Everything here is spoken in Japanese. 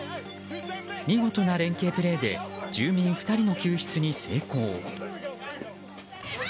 見事な連係プレーで住民２人の救出に成功。